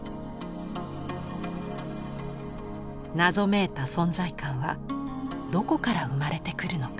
謎めいた存在感はどこから生まれてくるのか。